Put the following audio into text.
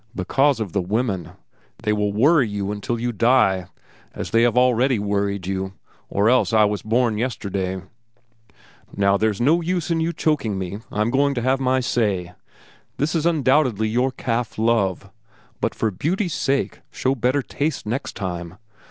"Because of the women. They will worry you until you die, as they have already worried you, or else I was born yesterday. Now there's no use in your choking me; I'm going to have my say. This is undoubtedly your calf love; but for Beauty's sake show better taste next time.